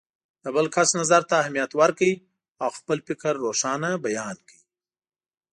د بل کس نظر ته اهمیت ورکړئ او خپل فکر روښانه بیان کړئ.